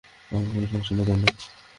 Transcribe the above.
আমাদের কোন সমস্যা নাই, তাই না?